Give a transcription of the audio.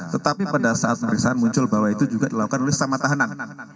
tetapi pada saat pemeriksaan muncul bahwa itu juga dilakukan oleh sesama tahanan